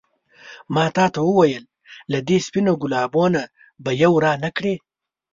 ما تا ته وویل له دې سپينو ګلابو نه به یو رانه کړې.